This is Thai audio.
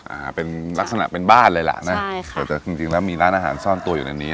อ่าเป็นลักษณะเป็นบ้านเลยล่ะนะใช่ค่ะแต่จริงจริงแล้วมีร้านอาหารซ่อนตัวอยู่ในนี้